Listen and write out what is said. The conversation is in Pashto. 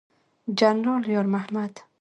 جنرال یار محمد